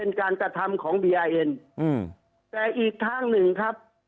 การกระทำของบีอาเอ็นอืมแต่อีกทางหนึ่งครับ